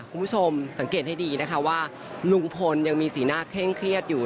คุณผู้ชมสังเกตให้ดีนะคะว่าลุงพลยังมีสีหน้าเคร่งเครียดอยู่